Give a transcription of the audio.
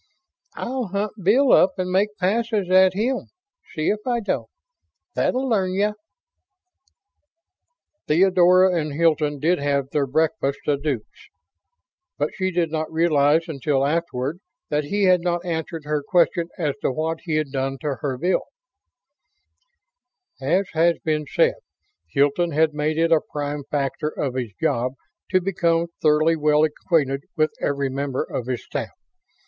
"I'll hunt Bill up and make passes at him, see if I don't. That'll learn ya!" Theodora and Hilton did have their breakfast a deux but she did not realize until afterward that he had not answered her question as to what he had done to her Bill. As has been said, Hilton had made it a prime factor of his job to become thoroughly well acquainted with every member of his staff.